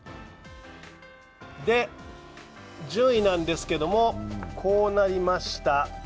順位なんですけれども、こうなりました。